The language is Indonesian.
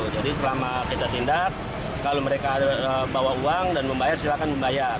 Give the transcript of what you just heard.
jadi selama kita tindak kalau mereka bawa uang dan membayar silahkan membayar